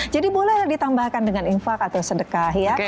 jadi boleh ditambahkan dengan infak atau sedekah ya